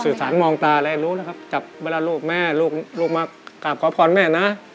สารมองตาอะไรรู้แล้วครับจับเวลาลูกแม่ลูกมากราบขอพรแม่นะ